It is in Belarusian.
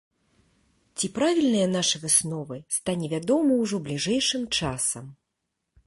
Ці правільныя нашы высновы, стане вядома ўжо бліжэйшым часам.